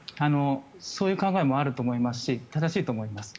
そういう考えもあると思いますし正しいと思います。